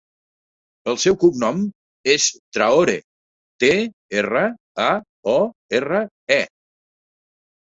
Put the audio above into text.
El seu cognom és Traore: te, erra, a, o, erra, e.